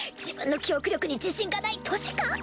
自分の記憶力に自信がない年か？